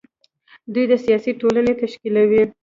دوی سیاسي ټولنه تشکیلوي.